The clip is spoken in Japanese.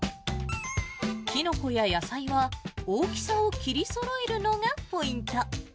きのこや野菜は、大きさを切りそろえるのがポイント。